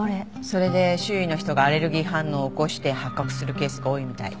それで周囲の人がアレルギー反応を起こして発覚するケースが多いみたい。